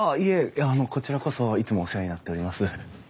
いやあのこちらこそいつもお世話になっております。